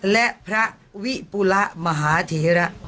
และพระวิปุระมหาเทระ